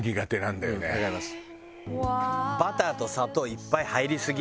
バターと砂糖いっぱい入りすぎ。